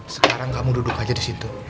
sekarang kamu duduk aja disitu